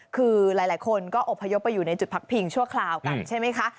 คือหลายคนก็อบพยพไปอยู่ในจุดพักพิงชั่วคราวกันใช่ไหมคะ